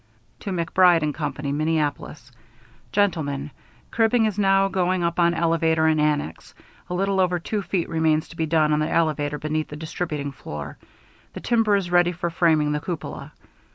To MacBride & Company, Minneapolis, Gentlemen: Cribbing is now going up on elevator and annex. A little over two feet remains to be done on the elevator beneath the distributing floor. The timber is ready for framing the cupola.